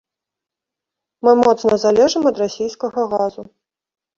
Мы моцна залежым ад расійскага газу.